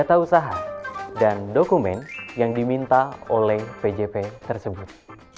lalu menggunakan dokumen yang diminta oleh pjp tersebut